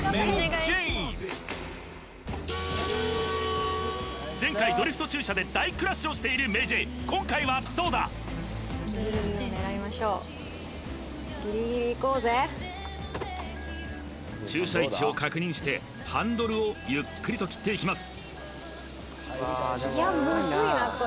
ギリギリを狙いましょう駐車位置を確認してハンドルをゆっくりと切っていきます